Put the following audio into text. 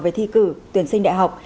về thi cử tuyển sinh đại học